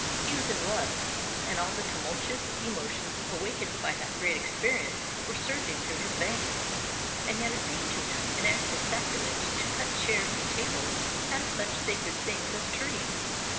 He was in love, and all the tumultuous emotions awakened by that great experience were surging through his veins; and yet it seemed to him an act of sacrilege to cut chairs and tables out of such sacred things as trees!